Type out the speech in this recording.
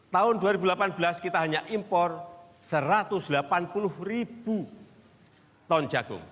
tahun dua ribu delapan belas kita hanya impor satu ratus delapan puluh ribu ton jagung